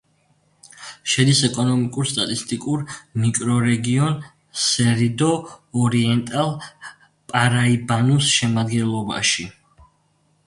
შედის ეკონომიკურ-სტატისტიკურ მიკრორეგიონ სერიდო-ორიენტალ-პარაიბანუს შემადგენლობაში.